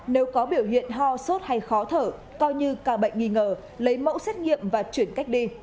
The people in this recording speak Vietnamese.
nếu có biểu hiện ho sốt hay khó thở coi như ca bệnh nghi ngờ lấy mẫu xét nghiệm và chuyển cách ly